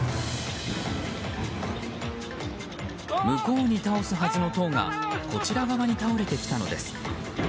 向こうに倒すはずの塔がこちら側に倒れてきたのです。